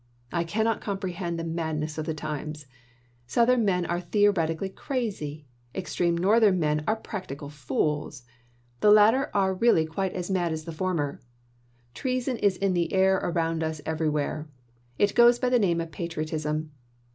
I cannot comprehend the madness of the times. Southern men are theoretically crazy. Extreme Northern men are practical fools. The latter are really quite as mad as the former. Treason is in the air around us everywhere. It goes by the name of patriotism.